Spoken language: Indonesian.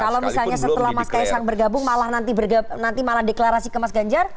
kalau misalnya setelah mas kaisang bergabung malah nanti malah deklarasi ke mas ganjar